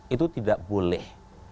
itu tidak boleh